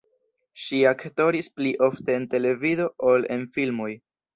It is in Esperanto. Ŝi aktoris pli ofte en televido ol en filmoj.